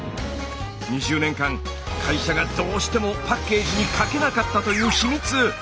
２０年間会社がどうしてもパッケージに書けなかったという秘密！